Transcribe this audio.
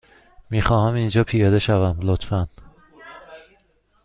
می خواهم اینجا پیاده شوم، لطفا.